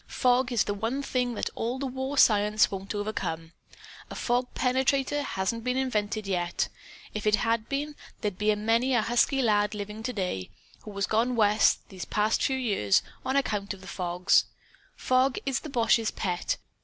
Fog is the one thing that all the war science won't overcome. A fogpenetrator hasn't been invented yet. If it had been, there'd be many a husky lad living today, who has gone West, this past few years, on account of the fogs. Fog is the boche's pet.